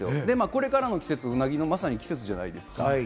これからの季節、うなぎがまさに季節じゃないですか。